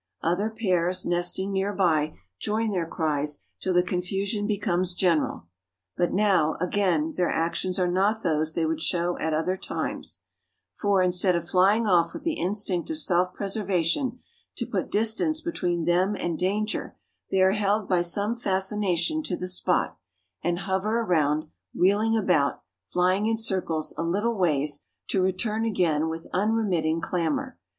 Other pairs, nesting near by, join their cries till the confusion becomes general. But now, again, their actions are not those they would show at other times; for, instead of flying off with the instinct of self preservation, to put distance between them and danger, they are held by some fascination to the spot, and hover around, wheeling about, flying in circles a little ways, to return again, with unremitting clamor.